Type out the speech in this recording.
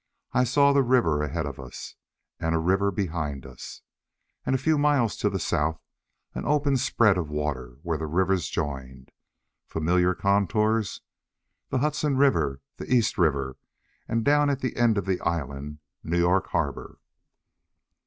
I saw the river ahead of us, and a river behind us. And a few miles to the south, an open spread of water where the rivers joined. Familiar contours! The Hudson River! The East River. And down at the end of the island, New York Harbor.